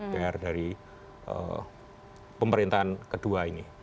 pr dari pemerintahan kedua ini